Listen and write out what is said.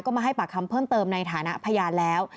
ก็มาให้ปากคำเพิ่มเติมในฐานะพยานแล้ว